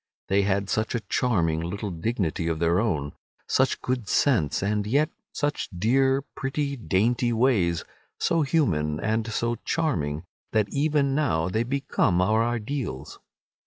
They had such a charming little dignity of their own, such good sense, and yet such dear, pretty, dainty ways, so human and so charming, that even now they become our ideals.